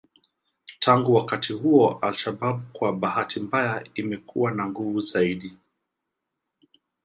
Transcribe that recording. Tangu wakati huo al-Shabab kwa bahati mbaya imekuwa na nguvu zaidi